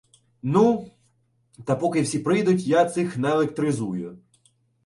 — Ну, та поки всі прийдуть, я цих наелектризую.